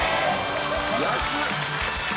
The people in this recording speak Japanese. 安っ！